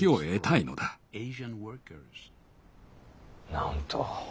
なんと。